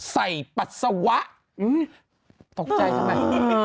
ปัสสาวะตกใจทำไม